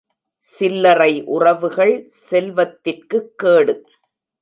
சில்லறை உறவுகள் செல்வத்திற்குக் கேடு.